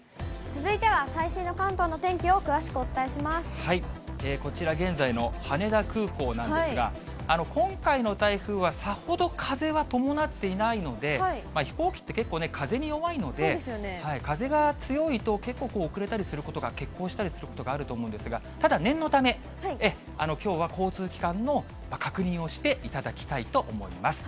続いては、最新の関東の天気こちら、現在の羽田空港なんですが、今回の台風は、さほど風は伴っていないので、飛行機って結構ね、風に弱いので、風が強いと結構、遅れたりすることが、欠航したりすることがあると思うんですが、ただ、念のため、きょうは交通機関の確認をしていただきたいと思います。